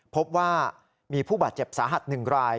พบว่ามีผู้บาดเจ็บสาหัส๑ราย